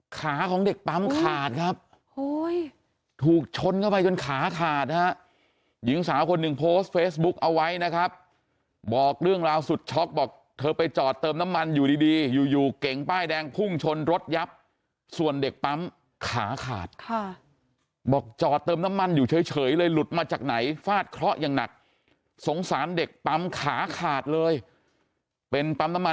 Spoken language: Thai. ขาของเด็กปั๊มขาดครับถูกชนเข้าไปจนขาขาดนะฮะหญิงสาวคนหนึ่งโพสต์เฟซบุ๊กเอาไว้นะครับบอกเรื่องราวสุดช็อกบอกเธอไปจอดเติมน้ำมันอยู่ดีดีอยู่อยู่เก่งป้ายแดงพุ่งชนรถยับส่วนเด็กปั๊มขาขาดค่ะบอกจอดเติมน้ำมันอยู่เฉยเลยหลุดมาจากไหนฟาดเคราะห์อย่างหนักสงสารเด็กปั๊มขาขาดเลยเป็นปั๊มน้ำมัน